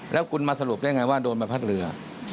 แล้วคุณมาสรุปได้ไงว่าโดนใบพัดเรือ